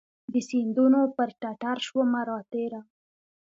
د سیندونو پر ټټرشومه راتیره